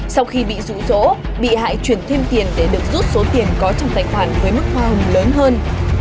sau khi bị rụ rỗ bị hại chuyển thêm tiền để được rút số tiền có trong tài khoản với mức hoa hồng lớn hơn